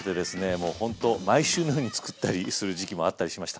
もうほんと毎週のように作ったりする時期もあったりしました。